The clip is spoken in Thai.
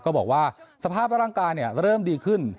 บอกว่าสภาพร่างกายเริ่มดีขึ้น